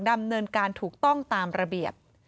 ดำเนินการถูกต้องตามระเบียบ